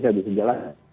yang bisa ditalahin